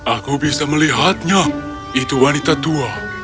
aku bisa melihatnya itu wanita tua